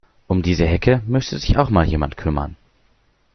Um diese Hecke müsste sich auch mal jemand kümmern.